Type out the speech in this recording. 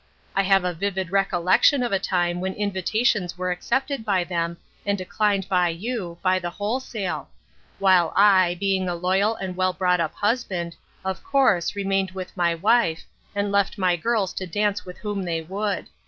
I have a vivid recollec tion of a time when invitations were accepted by them, and declined by you, by the wholesale ; while I, being a loyal and well brought up husband, of course, remained with my wife, and left my girls to dance with whom they would.